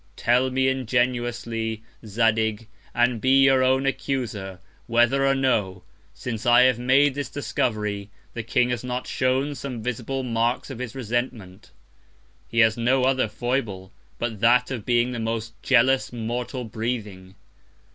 Tell me ingenuously Zadig; and be your own Accuser, whether or no, since I have made this Discovery, the King has not shewn some visible Marks of his Resentment. He has no other Foible, but that of being the most jealous Mortal breathing.